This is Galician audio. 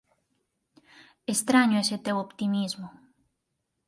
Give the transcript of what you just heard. Estraño ese teu optimismo.